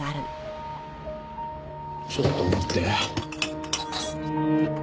ちょっと待って。